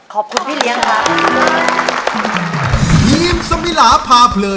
ขอบคุณพี่เลี้ยงครับ